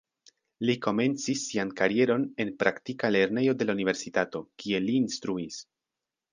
Li komencis sian karieron en praktika lernejo de la universitato, kie li instruis.